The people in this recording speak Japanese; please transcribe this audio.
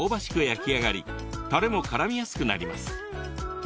焼き上がりたれもからみやすくなります。